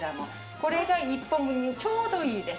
これが１個分にちょうどいいです。